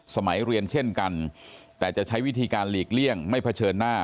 สมัยเรียนเช่นกันแต่จะใช้วิธีการหลีกเลี่ยงไม่เผชิญหน้า